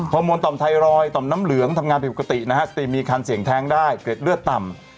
มวลต่อมไทรอยดมน้ำเหลืองทำงานผิดปกตินะฮะสติมีคันเสียงแท้งได้เกร็ดเลือดต่ำ